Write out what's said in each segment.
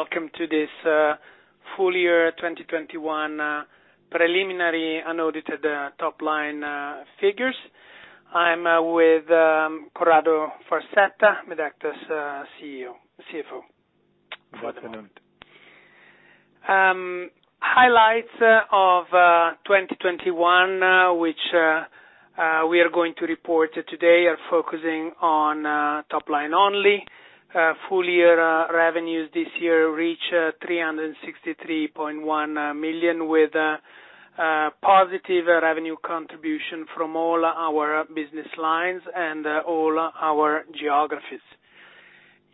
Welcome to this full year 2021 preliminary unaudited top line figures. I'm with Corrado Farsetta, Medacta's CEO, CFO. Good afternoon. Highlights of 2021, which we are going to report today, are focusing on top line only. Full year revenues this year reach 363.1 million with positive revenue contribution from all our business lines and all our geographies.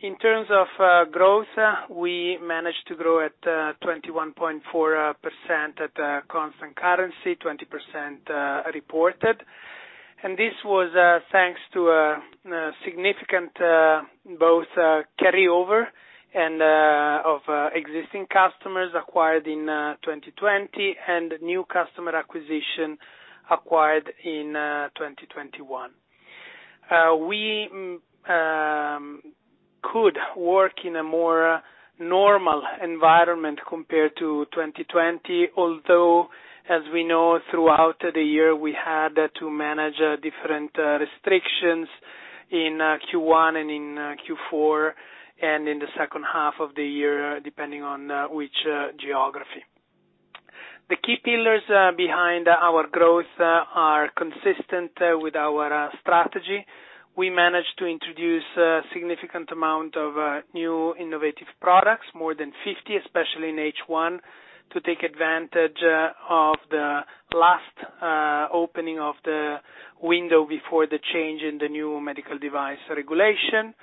In terms of growth, we managed to grow at 21.4% at constant currency, 20% reported. This was thanks to significant both carryover from existing customers acquired in 2020 and new customer acquisition acquired in 2021. We could work in a more normal environment compared to 2020, although, as we know, throughout the year, we had to manage different restrictions in Q1 and in Q4 and in the second half of the year, depending on which geography. The key pillars behind our growth are consistent with our strategy. We managed to introduce a significant amount of new innovative products, more than 50, especially in H1, to take advantage of the last opening of the window before the change in the new Medical Device Regulation.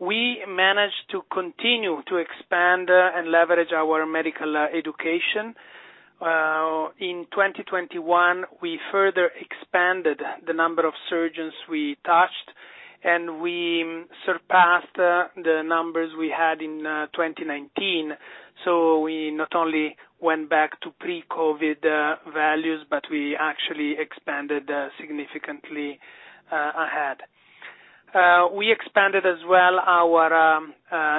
We managed to continue to expand and leverage our medical education. In 2021, we further expanded the number of surgeons we touched, and we surpassed the numbers we had in 2019. We not only went back to pre-COVID values, but we actually expanded significantly ahead. We expanded as well our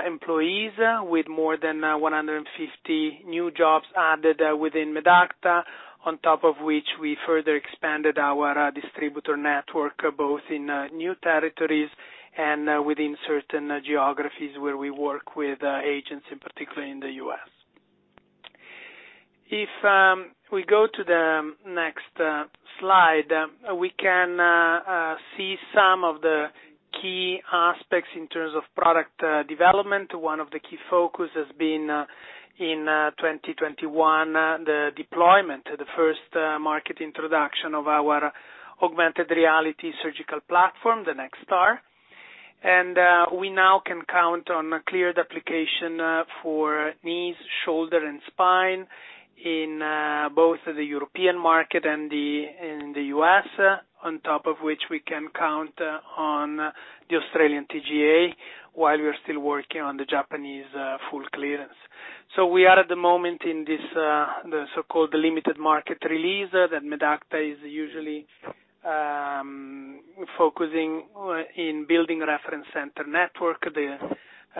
employees with more than 150 new jobs added within Medacta, on top of which we further expanded our distributor network, both in new territories and within certain geographies where we work with agents, in particular in the U.S. If we go to the next slide, we can see some of the key aspects in terms of product development. One of the key focus has been in 2021 the deployment, the first market introduction of our augmented reality surgical platform, the NextAR. We now can count on a cleared application for knees, shoulder, and spine in both the European market and the U.S., on top of which we can count on the Australian TGA while we are still working on the Japanese full clearance. We are at the moment in the so-called limited market release that Medacta is usually focusing on building a reference center network. The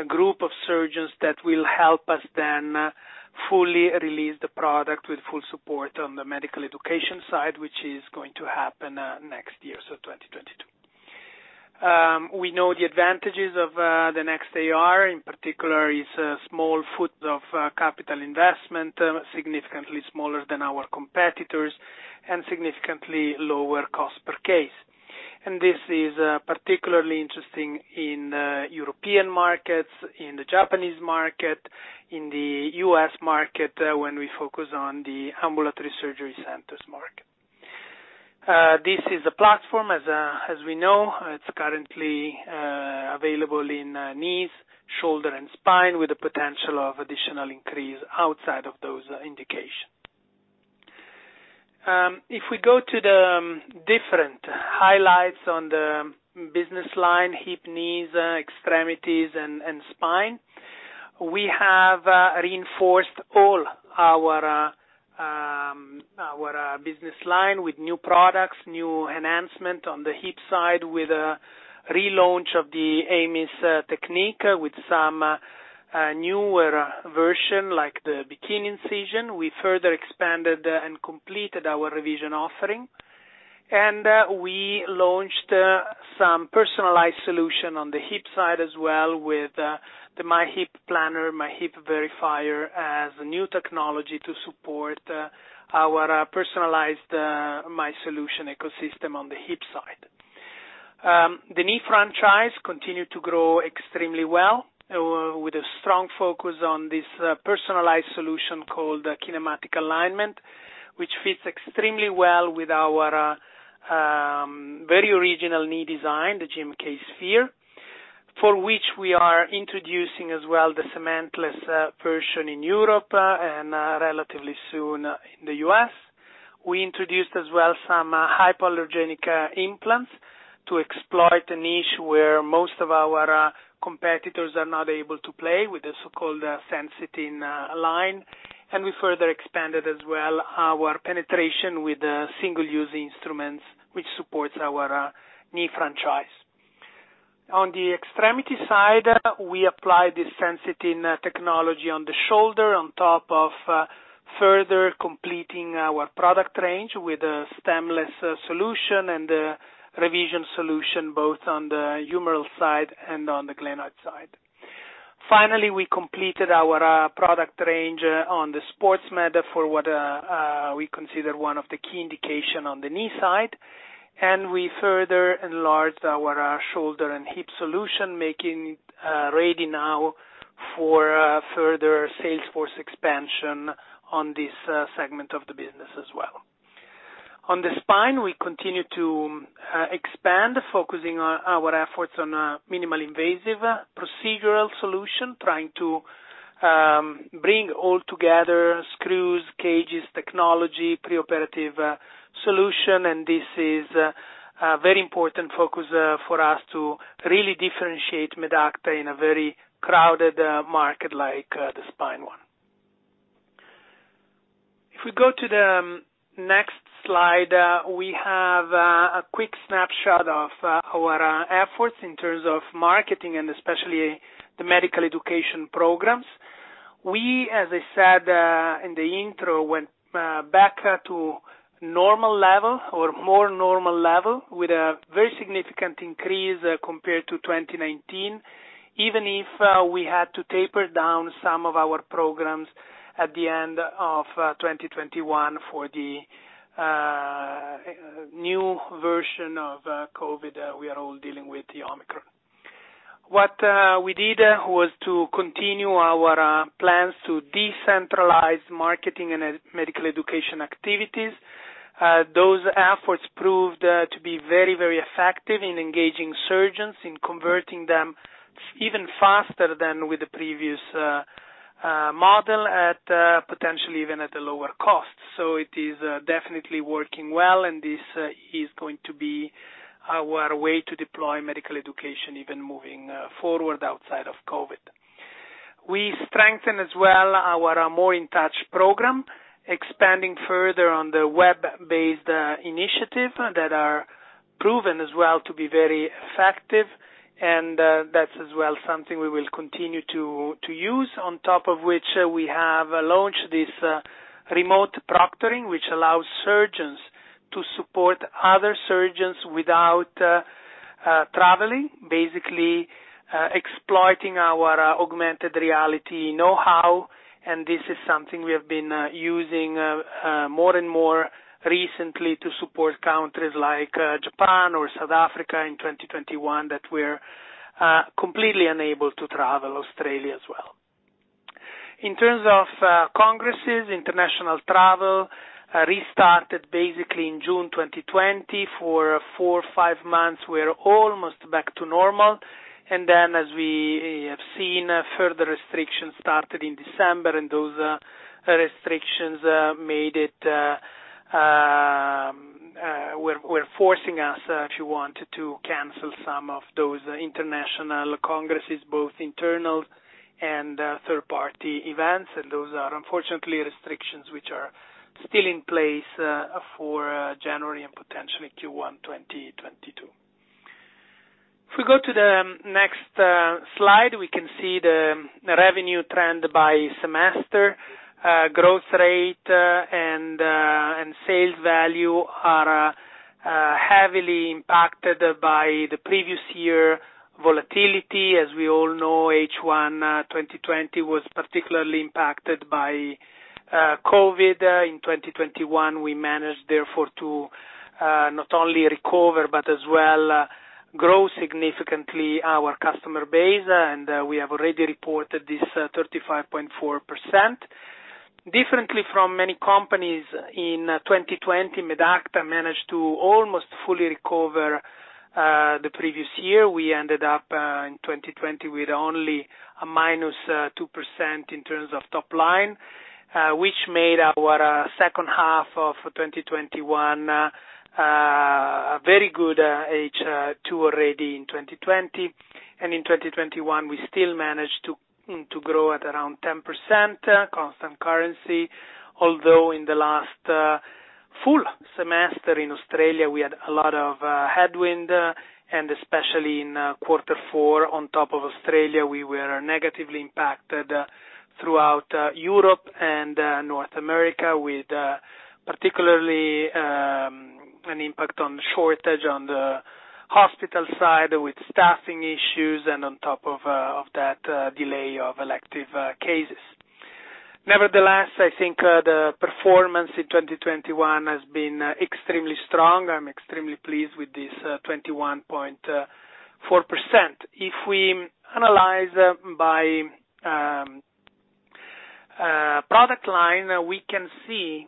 group of surgeons that will help us then fully release the product with full support on the medical education side, which is going to happen next year, so 2022. We know the advantages of the NextAR in particular is a small footprint of capital investment, significantly smaller than our competitors and significantly lower cost per case. This is particularly interesting in European markets, in the Japanese market, in the U.S. market, when we focus on the ambulatory surgery centers market. This is a platform, as we know, it's currently available in knees, shoulder, and spine with the potential of additional increase outside of those indications. If we go to the different highlights on the business line, hip, knees, extremities and spine, we have reinforced all our business line with new products, new enhancement on the hip side with a relaunch of the AMIS technique with some newer version like the bikini incision. We further expanded and completed our revision offering. We launched some personalized solution on the hip side as well with the MyHip Planner, MyHip Verifier as new technology to support our personalized MySolutions Personalized Ecosystem on the hip side. The knee franchise continued to grow extremely well with a strong focus on this personalized solution called Kinematic Alignment, which fits extremely well with our very original knee design, the GMK Sphere, for which we are introducing as well the cementless version in Europe and relatively soon in the U.S. We introduced as well some hypoallergenic implants to exploit a niche where most of our competitors are not able to play with the so-called SensiTiN line. We further expanded as well our penetration with single-use instruments, which supports our knee franchise. On the extremity side, we applied the SensiTiN technology on the shoulder on top of further completing our product range with a stemless solution and revision solution, both on the humeral side and on the glenoid side. Finally, we completed our product range on the Sports Med for what we consider one of the key indication on the knee side. We further enlarged our shoulder and hip solution, making ready now for further sales force expansion on this segment of the business as well. On the spine, we continue to expand, focusing our efforts on a minimally invasive procedural solution, trying to bring all together screws, cages, technology, preoperative solution. This is a very important focus for us to really differentiate Medacta in a very crowded market like the spine one. If we go to the next slide, we have a quick snapshot of our efforts in terms of marketing and especially the medical education programs. We, as I said in the intro, went back to normal level or more normal level with a very significant increase compared to 2019, even if we had to taper down some of our programs at the end of 2021 for the new version of COVID we are all dealing with, the Omicron. What we did was to continue our plans to decentralize marketing and medical education activities. Those efforts proved to be very, very effective in engaging surgeons, in converting them even faster than with the previous model at potentially even at a lower cost. It is definitely working well, and this is going to be our way to deploy medical education even moving forward outside of COVID. We strengthen as well our M.O.R.E. in Touch program, expanding further on the web-based initiative that are proven as well to be very effective. That's as well something we will continue to use on top of which we have launched this remote proctoring, which allows surgeons to support other surgeons without traveling, basically exploiting our augmented reality know-how. This is something we have been using more and more recently to support countries like Japan or South Africa in 2021 that we're completely unable to travel, Australia as well. In terms of congresses, international travel restarted basically in June 2020. For four, five months, we're almost back to normal. As we have seen, further restrictions started in December, and those restrictions were forcing us, if you want, to cancel some of those international congresses, both internal and third-party events. Those are unfortunately restrictions which are still in place for January and potentially Q1 2022. If we go to the next slide, we can see the revenue trend by semester. Growth rate and sales value are heavily impacted by the previous year volatility. As we all know, H1 2020 was particularly impacted by COVID. In 2021, we managed therefore to not only recover, but as well grow significantly our customer base. We have already reported this 35.4%. Differently from many companies in 2020, Medacta managed to almost fully recover the previous year. We ended up in 2020 with only a -2% in terms of top line, which made our second half of 2021 a very good H2 already in 2020. In 2021, we still managed to grow at around 10%, constant currency. Although in the last full semester in Australia, we had a lot of headwind, and especially in quarter four on top of Australia, we were negatively impacted throughout Europe and North America, with particularly an impact on the shortage on the hospital side with staffing issues and on top of that, delay of elective cases. Nevertheless, I think the performance in 2021 has been extremely strong. I'm extremely pleased with this 21.4%. If we analyze by product line, we can see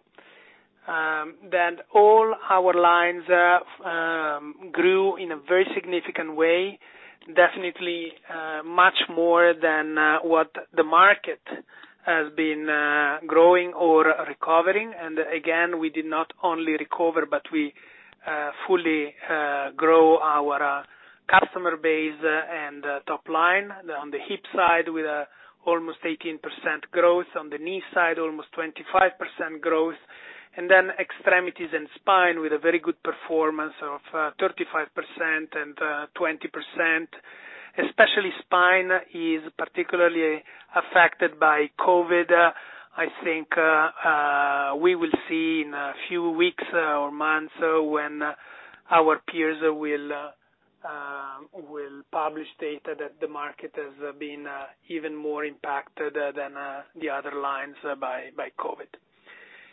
that all our lines grew in a very significant way, definitely much more than what the market has been growing or recovering. Again, we did not only recover, but we fully grow our customer base and top line. On the hip side with almost 18% growth, on the knee side, almost 25% growth. Extremities and spine with a very good performance of 35% and 20%, especially, spine is particularly affected by COVID. I think we will see in a few weeks or months when our peers will publish data that the market has been even more impacted than the other lines by COVID.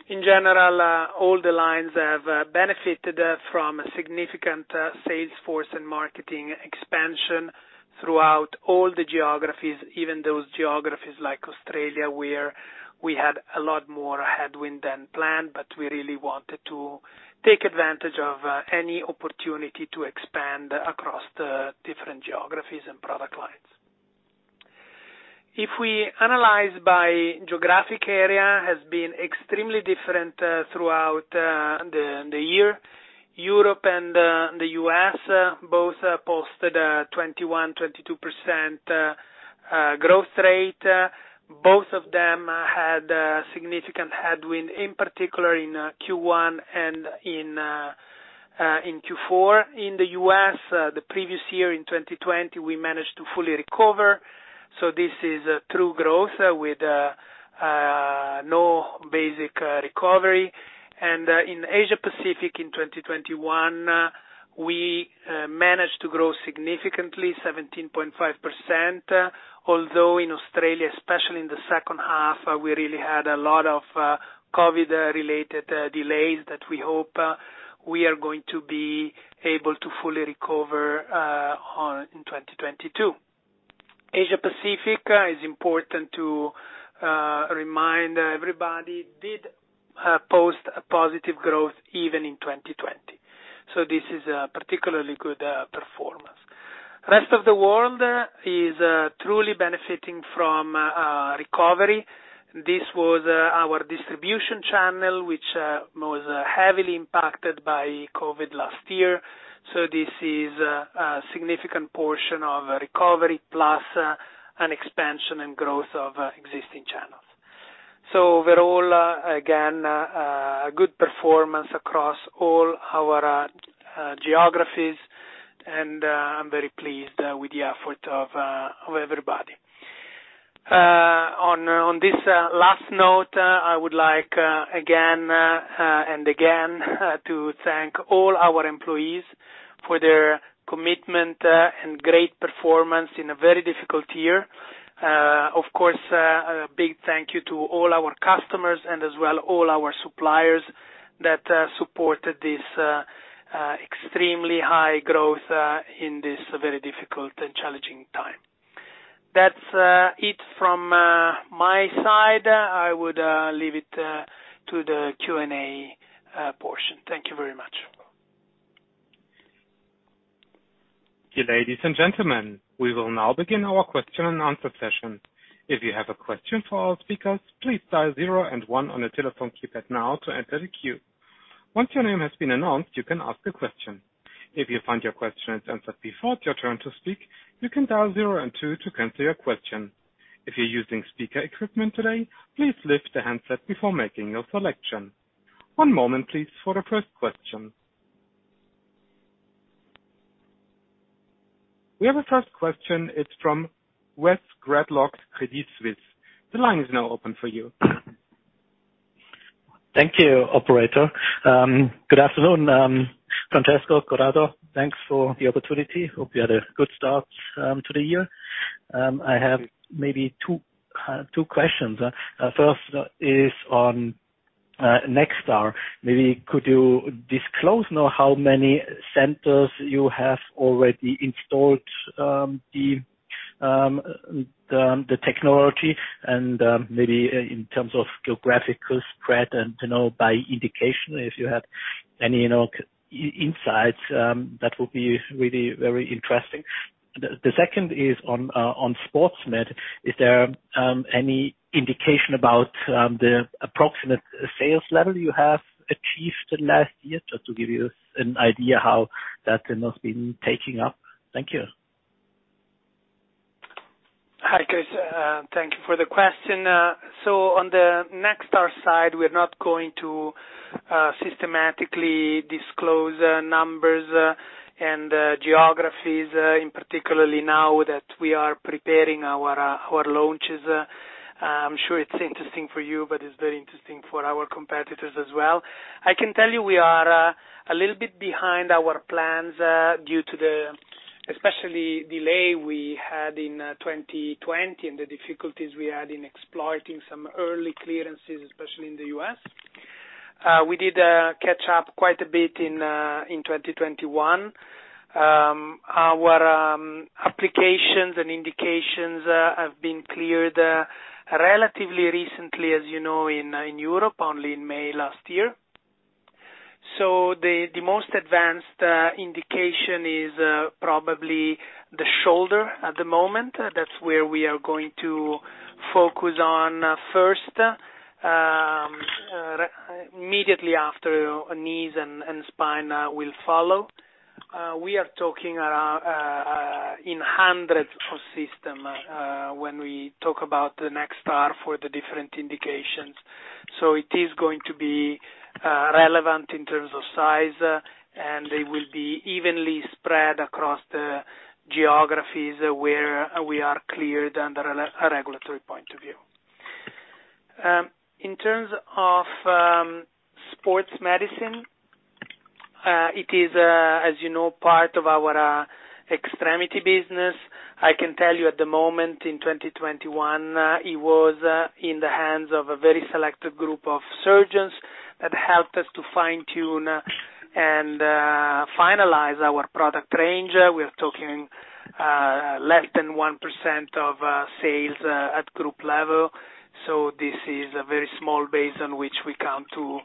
In general, all the lines have benefited from significant sales force and marketing expansion throughout all the geographies, even those geographies like Australia, where we had a lot more headwind than planned, but we really wanted to take advantage of any opportunity to expand across the different geographies and product lines. If we analyze by geographic area, it has been extremely different throughout the year. Europe and the U.S. both posted 21%-22% growth rate. Both of them had significant headwind, in particular in Q1 and in Q4. In the U.S., the previous year in 2020, we managed to fully recover, so this is true growth with no basic recovery. In Asia-Pacific, in 2021, we managed to grow significantly 17.5%. Although in Australia, especially in the second half, we really had a lot of COVID-related delays that we hope we are going to be able to fully recover in 2022. Asia-Pacific is important to remind everybody, it did post a positive growth even in 2020. This is a particularly good performance. Rest of the world is truly benefiting from recovery. This was our distribution channel, which was heavily impacted by COVID last year. This is a significant portion of recovery plus an expansion and growth of existing channels. Overall, again, a good performance across all our geographies, and I'm very pleased with the effort of everybody. On this last note, I would like, again and again, to thank all our employees for their commitment and great performance in a very difficult year. Of course, a big thank you to all our customers and as well all our suppliers that supported this extremely high growth in this very difficult and challenging time. That's it from my side. I would leave it to the Q&A portion. Thank you very much. Ladies and gentlemen, we will now begin our question and answer session. If you have a question for our speakers, please dial zero and one on your telephone keypad now to enter the queue. Once your name has been announced, you can ask a question. If you find your question is answered before it's your turn to speak, you can dial zero and two to cancel your question. If you're using speaker equipment today, please lift the handset before making your selection. One moment please for the first question. We have a first question. It's from Christoph Gretler, Credit Suisse. The line is now open for you. Thank you, operator. Good afternoon, Francesco, Corrado. Thanks for the opportunity. Hope you had a good start to the year. I have maybe two questions. First is on NextAR. Maybe could you disclose now how many centers you have already installed the technology and maybe in terms of geographical spread and, you know, by indication, if you have any, you know, insights, that would be really very interesting. The second is on Sports Med. Is there any indication about the approximate sales level you have achieved last year? Just to give you an idea how that has been taking up. Thank you. Hi, Chris. Thank you for the question. On the NextAR side, we're not going to systematically disclose numbers and geographies in particular now that we are preparing our launches. I'm sure it's interesting for you, but it's very interesting for our competitors as well. I can tell you we are a little bit behind our plans due to the exceptional delay we had in 2020 and the difficulties we had in exploiting some early clearances, especially in the U.S. We did catch up quite a bit in 2021. Our applications and indications have been cleared relatively recently, as you know, in Europe, only in May last year. The most advanced indication is probably the shoulder at the moment. That's where we are going to focus on first. Immediately after knees and spine will follow. We are talking around in hundreds of systems when we talk about the NextAR for the different indications. It is going to be relevant in terms of size, and they will be evenly spread across the geographies where we are cleared under a regulatory point of view. In terms of sports medicine, it is, as you know, part of our extremity business. I can tell you at the moment in 2021, it was in the hands of a very selected group of surgeons that helped us to fine-tune and finalize our product range. We're talking less than 1% of sales at group level. This is a very small base on which we come to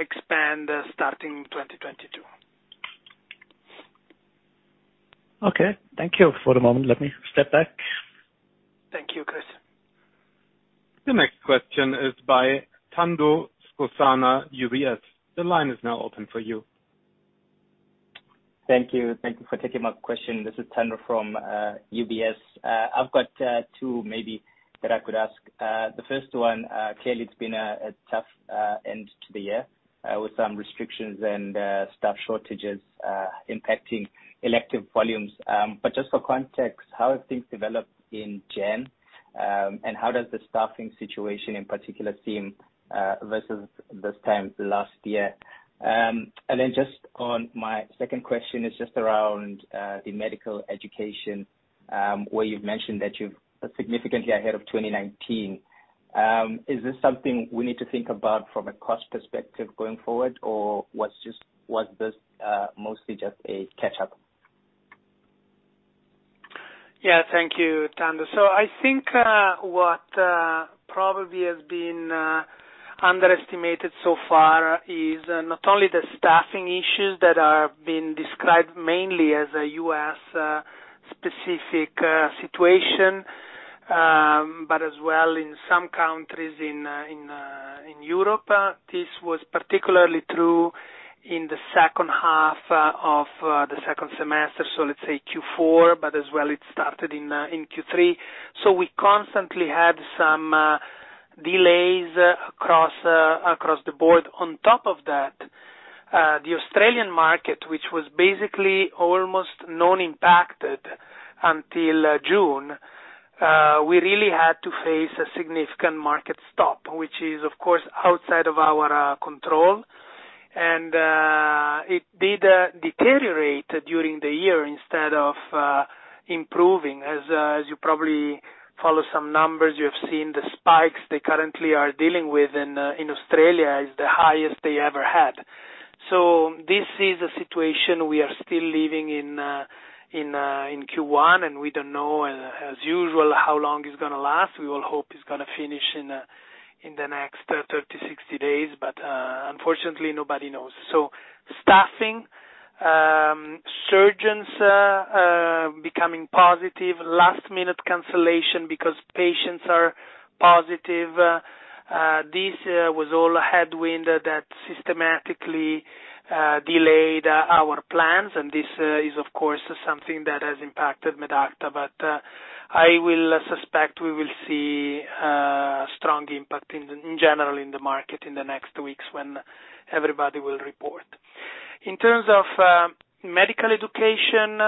expand, starting 2022. Okay. Thank you. For the moment let me step back. Thank you, Chris. The next question is by Thando Skosana, UBS. The line is now open for you. Thank you. Thank you for taking my question. This is Thando from UBS. I've got two, maybe, that I could ask. The first one, clearly it's been a tough end to the year with some restrictions and staff shortages impacting elective volumes, but just for context, how have things developed in January and how does the staffing situation in particular seem versus this time last year? Then just on my second question is just around the medical education where you've mentioned that you're significantly ahead of 2019. Is this something we need to think about from a cost perspective going forward, or was this mostly just a catch-up? Yeah. Thank you, Thando. I think what probably has been underestimated so far is not only the staffing issues that are being described mainly as a U.S. specific situation, but as well in some countries in Europe. This was particularly true in the second half of the second semester, so let's say Q4, but as well it started in Q3. We constantly had some delays across the board. On top of that, the Australian market, which was basically almost non-impacted until June, we really had to face a significant market stop, which is of course outside of our control. It did deteriorate during the year instead of improving. As you probably follow some numbers, you've seen the spikes they currently are dealing with in Australia is the highest they ever had. This is a situation we are still living in Q1, and we don't know as usual how long it's gonna last. We all hope it's gonna finish in the next 30, 60 days, but unfortunately, nobody knows. Staffing, surgeons becoming positive, last minute cancellation because patients are positive. This was all a headwind that systematically delayed our plans, and this is of course something that has impacted Medacta. I will suspect we will see a strong impact in general in the market in the next weeks when everybody will report. In terms of medical education,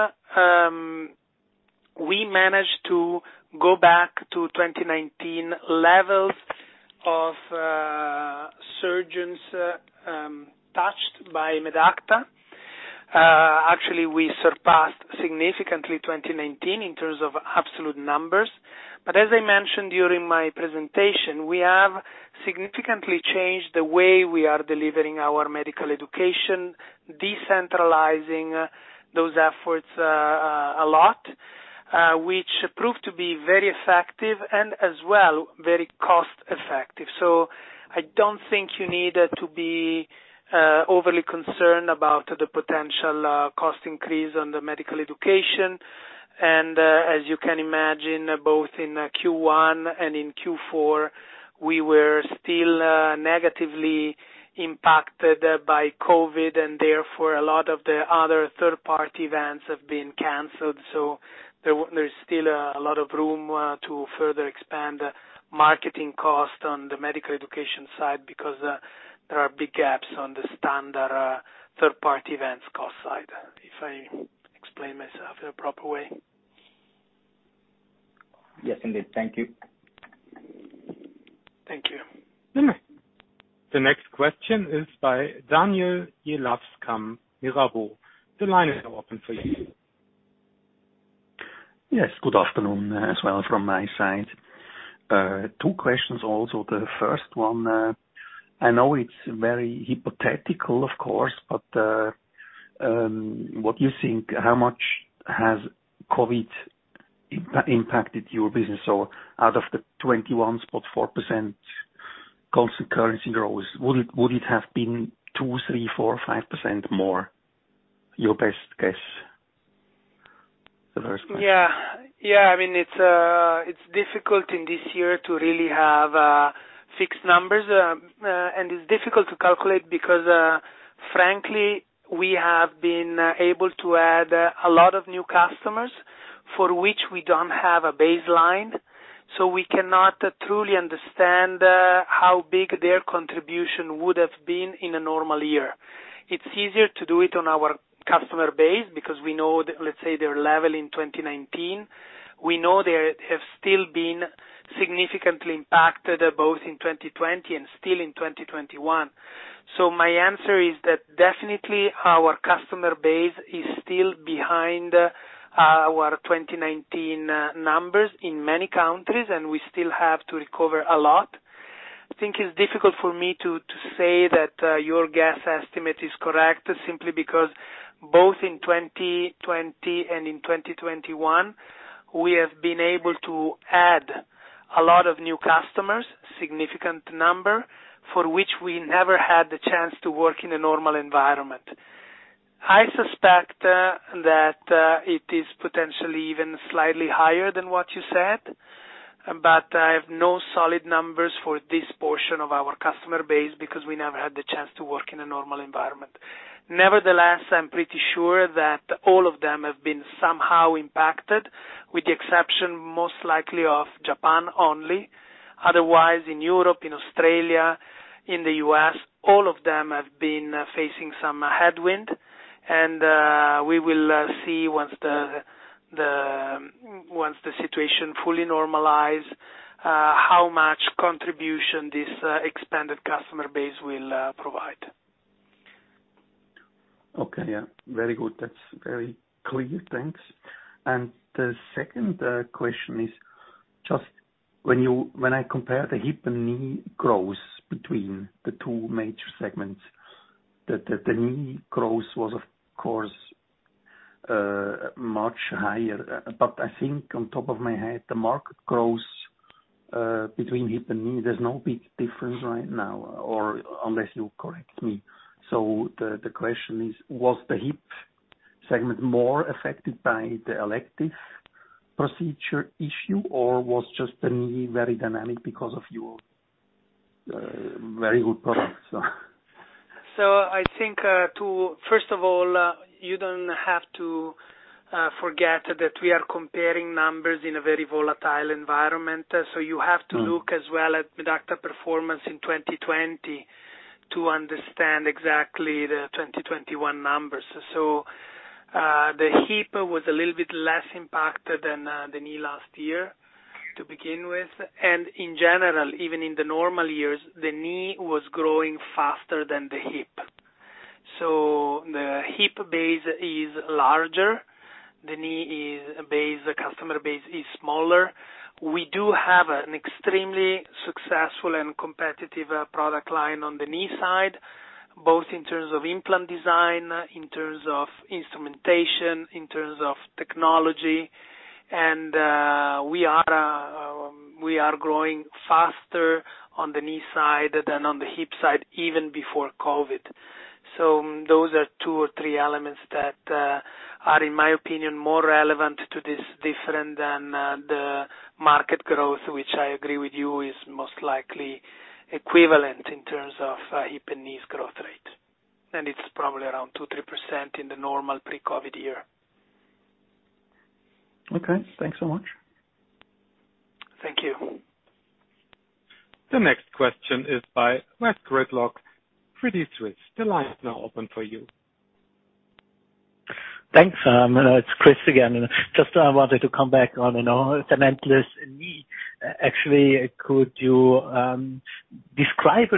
we managed to go back to 2019 levels of surgeons touched by Medacta. Actually, we surpassed significantly 2019 in terms of absolute numbers. As I mentioned during my presentation, we have significantly changed the way we are delivering our medical education, decentralizing those efforts a lot, which proved to be very effective and as well, very cost-effective. I don't think you need to be overly concerned about the potential cost increase on the medical education. As you can imagine, both in Q1 and in Q4, we were still negatively impacted by COVID, and therefore a lot of the other third-party events have been canceled. There's still a lot of room to further expand marketing cost on the medical education side because there are big gaps on the standard third-party events cost side, if I explained myself in a proper way. Yes, indeed. Thank you. Thank you. The next question is by Daniel Jelovcan Mirabaud. The line is now open for you. Yes. Good afternoon as well from my side. Two questions also. The first one, I know it's very hypothetical of course, but what do you think, how much has COVID impacted your business? Out of the 21.4% constant currency growth, would it have been 2%, 3%, 4%, 5% more? Your best guess. I mean, it's difficult in this year to really have fixed numbers. It's difficult to calculate because, frankly, we have been able to add a lot of new customers for which we don't have a baseline, so we cannot truly understand how big their contribution would have been in a normal year. It's easier to do it on our customer base because we know, let's say, their level in 2019. We know they have still been significantly impacted both in 2020 and still in 2021. My answer is that definitely our customer base is still behind our 2019 numbers in many countries, and we still have to recover a lot. I think it's difficult for me to say that your guess estimate is correct, simply because both in 2020 and in 2021, we have been able to add a lot of new customers, significant number, for which we never had the chance to work in a normal environment. I suspect that it is potentially even slightly higher than what you said, but I have no solid numbers for this portion of our customer base because we never had the chance to work in a normal environment. Nevertheless, I'm pretty sure that all of them have been somehow impacted, with the exception, most likely, of Japan only. Otherwise, in Europe, in Australia, in the U.S., all of them have been facing some headwind. We will see once the situation fully normalizes, how much contribution this expanded customer base will provide. Okay. Yeah. Very good. That's very clear. Thanks. The second question is just when I compare the hip and knee growth between the two major segments, the knee growth was of course much higher. But I think on top of my head, the market growth between hip and knee, there's no big difference right now, or unless you correct me. The question is, was the hip segment more affected by the elective procedure issue, or was just the knee very dynamic because of your very good products? I think first of all you don't have to forget that we are comparing numbers in a very volatile environment. You have to look as well at Medacta performance in 2020 to understand exactly the 2021 numbers. The hip was a little bit less impacted than the knee last year to begin with. In general, even in the normal years, the knee was growing faster than the hip. The hip base is larger, the knee base, customer base, is smaller. We do have an extremely successful and competitive product line on the knee side, both in terms of implant design, in terms of instrumentation, in terms of technology. We are growing faster on the knee side than on the hip side, even before COVID. Those are two or three elements that are, in my opinion, more relevant to this different than the market growth, which I agree with you is most likely equivalent in terms of hip and knee growth rate. It's probably around 2%-3% in the normal pre-COVID year. Okay. Thanks so much. Thank you. The next question is by Christoph Gretler, Credit Suisse. The line is now open for you. Thanks. It's Chris again. Just I wanted to come back on, you know, the cementless knee. Actually, could you describe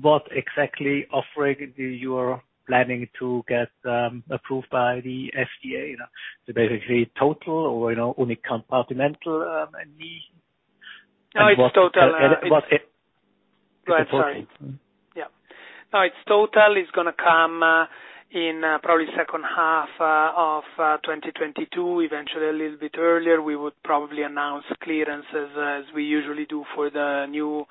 what exactly offering you are planning to get approved by the FDA? So basically total or, you know, unicompartmental knee- No, it's total. What's the? Go ahead. Sorry. Yeah. No, it's total. It's gonna come in probably second half of 2022. Eventually, a little bit earlier, we would probably announce clearances as we usually do for the new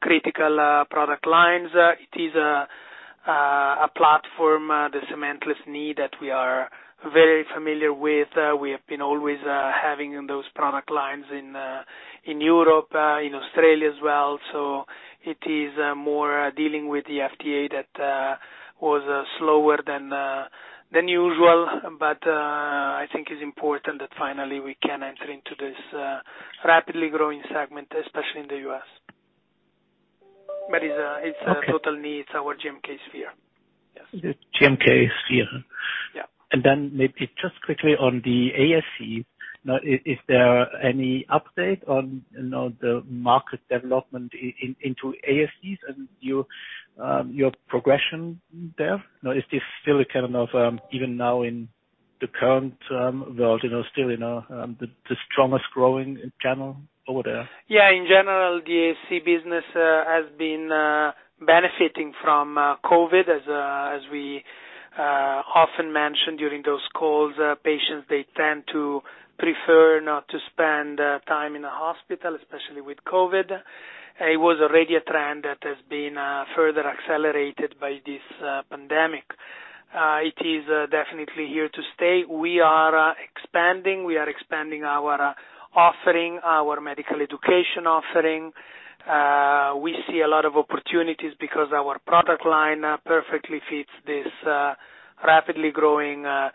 critical product lines. It is a platform, the cementless knee that we are very familiar with. We have been always having those product lines in Europe, in Australia as well. It is more dealing with the FDA that was slower than usual. I think it's important that finally we can enter into this rapidly growing segment, especially in the U.S. It's a- Okay. It's a total knee. It's our GMK Sphere. Yes. The GMK Sphere. Yeah. Maybe just quickly on the ASC. Is there any update on, you know, the market development into ASCs and your progression there? Is this still a kind of, even now in the current world, you know, still, you know, the strongest growing channel over there? In general, the ASC business has been benefiting from COVID as we often mention during those calls. Patients tend to prefer not to spend time in a hospital, especially with COVID. It was already a trend that has been further accelerated by this pandemic. It is definitely here to stay. We are expanding our offering, our medical education offering. We see a lot of opportunities because our product line perfectly fits this rapidly growing niche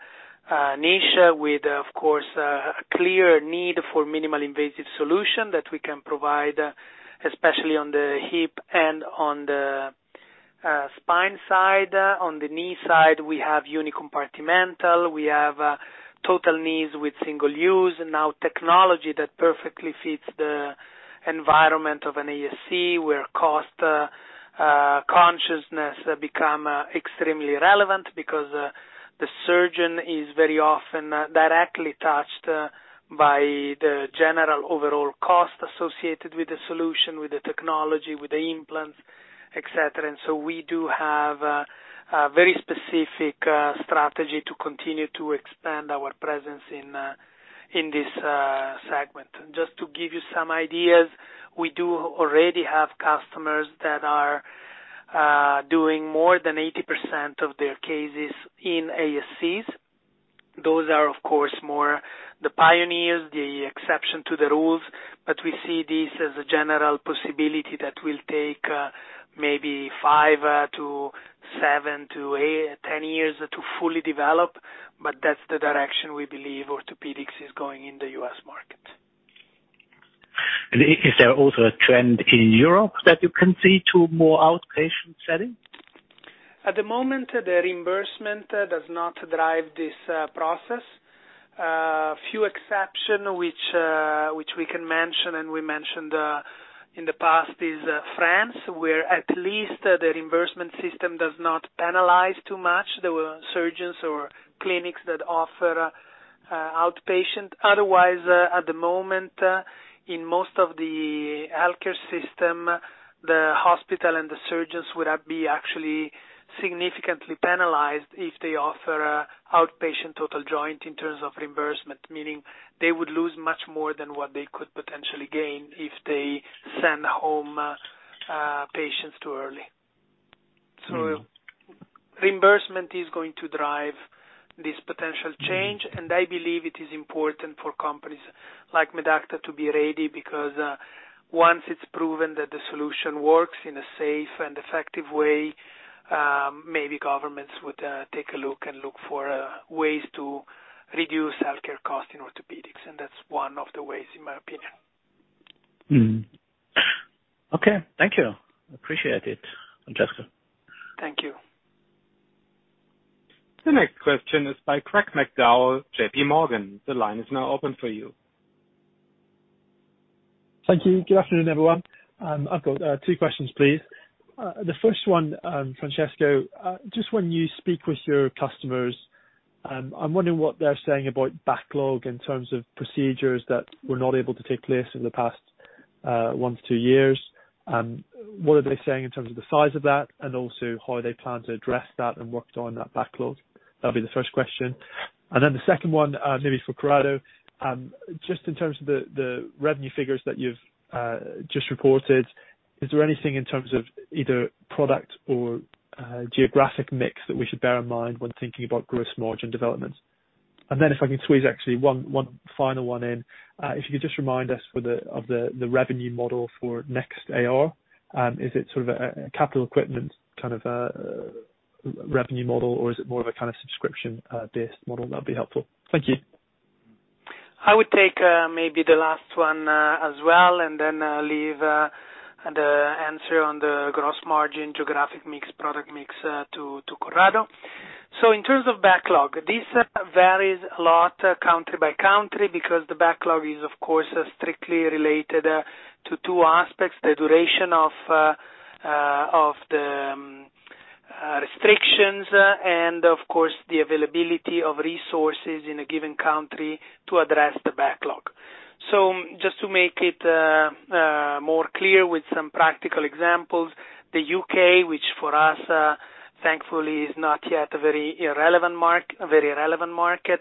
with, of course, a clear need for minimally invasive solution that we can provide, especially on the hip and on the spine side. On the knee side, we have unicompartmental, we have total knees with single-use. Now technology that perfectly fits the environment of an ASC where cost consciousness become extremely relevant because the surgeon is very often directly touched by the general overall cost associated with the solution, with the technology, with the implants, et cetera. We do have a very specific strategy to continue to expand our presence in this segment. Just to give you some ideas, we do already have customers that are doing more than 80% of their cases in ASCs. Those are, of course, more the pioneers, the exception to the rules. We see this as a general possibility that will take maybe five-seven to eight-10 years to fully develop, that's the direction we believe orthopedics is going in the U.S. market. Is there also a trend in Europe that you can see to more outpatient setting? At the moment, the reimbursement does not drive this process. Few exceptions which we can mention and we mentioned in the past is France, where at least the reimbursement system does not penalize too much. There were surgeons or clinics that offer outpatient. Otherwise, at the moment, in most of the healthcare systems, the hospital and the surgeons would be actually significantly penalized if they offer outpatient total joint in terms of reimbursement, meaning they would lose much more than what they could potentially gain if they send home patients too early. Reimbursement is going to drive this potential change, and I believe it is important for companies like Medacta to be ready, because once it's proven that the solution works in a safe and effective way, maybe governments would take a look and look for ways to reduce healthcare costs in orthopedics. That's one of the ways, in my opinion. Okay. Thank you. Appreciate it, Francesco. Thank you. The next question is by Craig McDowell, JPMorgan. The line is now open for you. Thank you. Good afternoon, everyone. I've got two questions, please. The first one, Francesco, just when you speak with your customers, I'm wondering what they're saying about backlog in terms of procedures that were not able to take place in the past one to two years. What are they saying in terms of the size of that, and also how they plan to address that and work on that backlog? That'll be the first question. Then the second one, maybe for Corrado, just in terms of the revenue figures that you've just reported, is there anything in terms of either product or geographic mix that we should bear in mind when thinking about gross margin development? Then if I can squeeze actually one final one in. If you could just remind us of the revenue model for NextAR, is it sort of a capital equipment kind of revenue model, or is it more of a kind of subscription-based model? That'd be helpful. Thank you. I would take maybe the last one as well, and then leave the answer on the gross margin geographic mix, product mix to Corrado. In terms of backlog, this varies a lot country by country because the backlog is of course strictly related to two aspects, the duration of the restrictions and of course the availability of resources in a given country to address the backlog. Just to make it more clear with some practical examples, the U.K., which for us thankfully is not yet a very relevant market,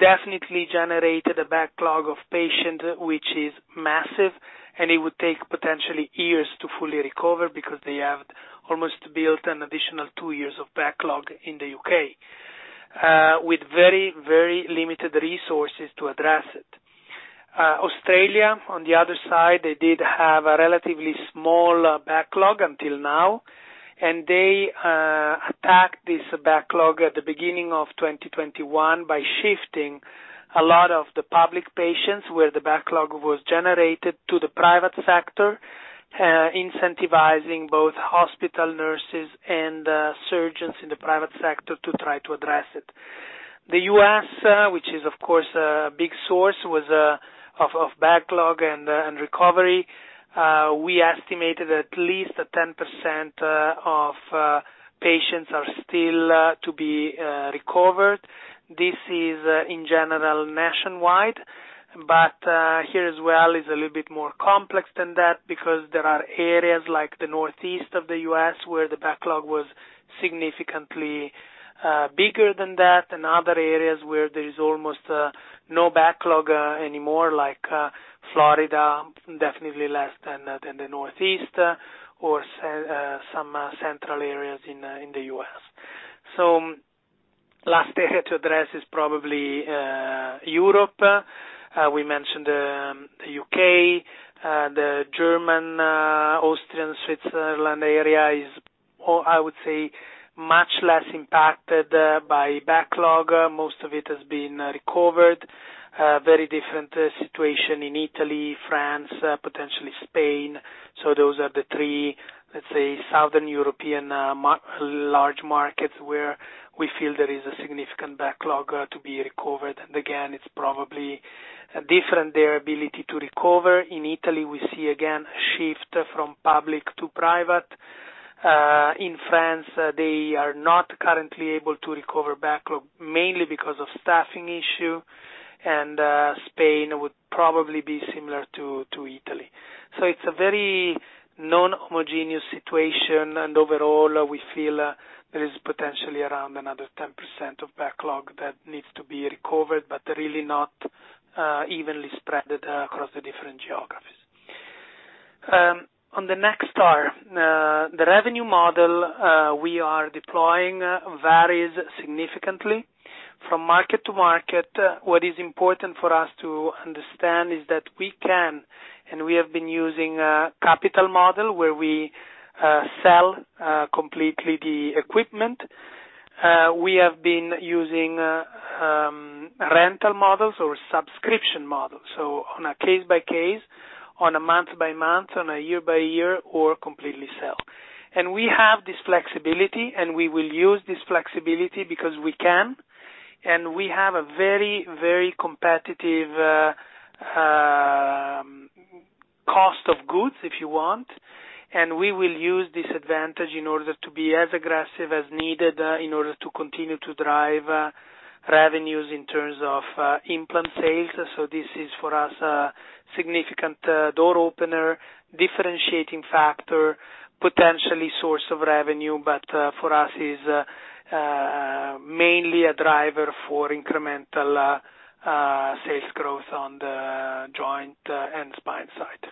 definitely generated a backlog of patients which is massive, and it would take potentially years to fully recover because they have almost built an additional two years of backlog in the U.K. with very limited resources to address it. Australia, on the other side, they did have a relatively small backlog until now, and they attacked this backlog at the beginning of 2021 by shifting a lot of the public patients where the backlog was generated to the private sector, incentivizing both hospital nurses and surgeons in the private sector to try to address it. The U.S., which is of course a big source, was of backlog and recovery. We estimated at least 10% of patients are still to be recovered. This is in general nationwide, but here as well is a little bit more complex than that because there are areas like the Northeast of the U.S. where the backlog was significantly bigger than that, and other areas where there is almost no backlog anymore, like Florida, definitely less than the Northeast, or some central areas in the U.S. Last area to address is probably Europe. We mentioned the U.K. The German, Austrian, Switzerland area is, I would say, much less impacted by backlog. Most of it has been recovered. Very different situation in Italy, France, potentially Spain. So those are the three, let's say, Southern European large markets where we feel there is a significant backlog to be recovered. It's probably different, their ability to recover. In Italy, we see again a shift from public to private. In France, they are not currently able to recover backlog, mainly because of staffing issue. Spain would probably be similar to Italy. It's a very non-homogeneous situation, and overall, we feel there is potentially around another 10% of backlog that needs to be recovered, but really not evenly spread across the different geographies. On the NextAR, the revenue model we are deploying varies significantly from market to market. What is important for us to understand is that we can, and we have been using a capital model where we sell completely the equipment. We have been using rental models or subscription models. On a case-by-case, on a month-by-month, on a year-by-year, or completely sell. We have this flexibility, and we will use this flexibility because we can. We have a very, very competitive cost of goods, if you want, and we will use this advantage in order to be as aggressive as needed, in order to continue to drive revenues in terms of implant sales. This is for us a significant door opener, differentiating factor, potential source of revenue, but for us it is mainly a driver for incremental sales growth on the joint and spine side.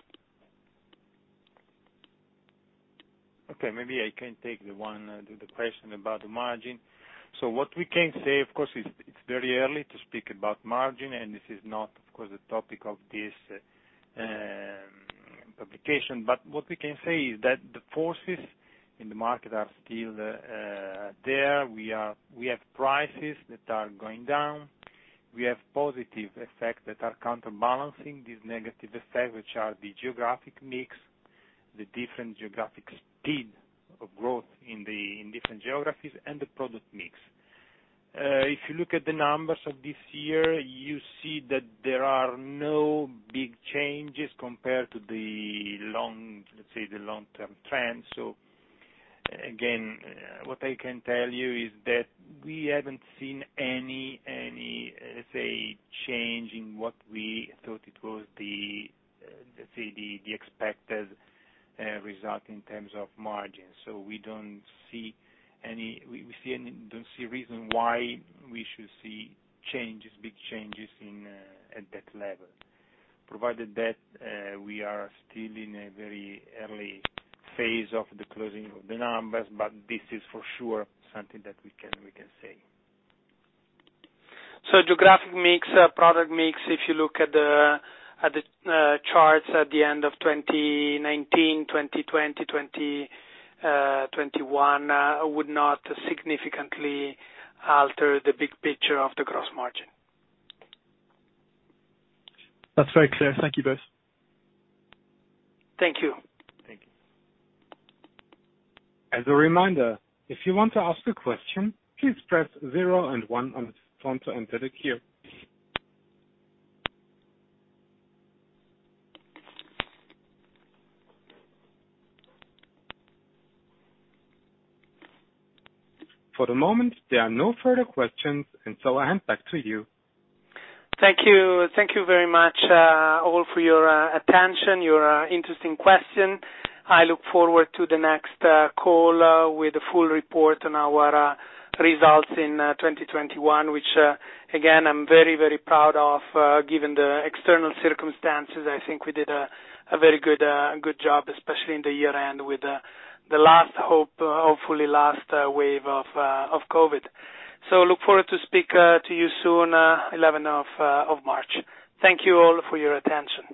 Okay. Maybe I can take the one, the question about the margin. What we can say, of course, it's very early to speak about margin, and this is not, of course, the topic of this publication. What we can say is that the forces in the market are still there. We have prices that are going down. We have positive effects that are counterbalancing this negative effect, which are the geographic mix, the different geographic speed of growth in different geographies and the product mix. If you look at the numbers of this year, you see that there are no big changes compared to the long, let's say, the long-term trends. Again, what I can tell you is that we haven't seen any, let's say, change in what we thought it was the, let's say, the expected result in terms of margins. We don't see any reason why we should see changes, big changes in at that level. Provided that we are still in a very early phase of the closing of the numbers, but this is for sure something that we can say. Geographic mix, product mix, if you look at the charts at the end of 2019, 2020, 2021, would not significantly alter the big picture of the gross margin. That's very clear. Thank you both. Thank you. Thank you. As a reminder, if you want to ask a question, please press zero and one on your phone to enter the queue. For the moment, there are no further questions, and so I hand back to you. Thank you. Thank you very much, all for your attention, your interesting question. I look forward to the next call with the full report on our results in 2021, which again, I'm very proud of, given the external circumstances. I think we did a very good job, especially in the year-end, with the last, hopefully last wave of COVID. Look forward to speak to you soon, 11 March. Thank you all for your attention.